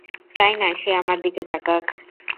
চাই না সে আমার দিকে তাকাক।